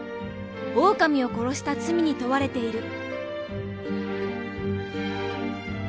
オオカミを殺した罪に問われている。